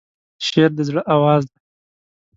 شعر د زړه آواز دی.